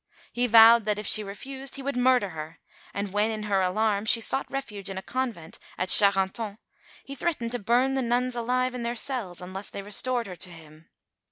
He vowed that, if she refused, he would murder her; and when, in her alarm, she sought refuge in a convent at Charenton, he threatened to burn the nuns alive in their cells unless they restored her to him.